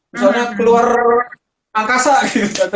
misalnya keluar angkasa gitu